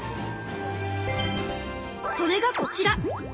それがこちら！